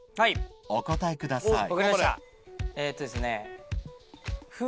お答えください